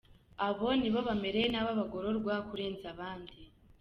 Abo nibo bamereye nabi abagororwa kurenza abandi.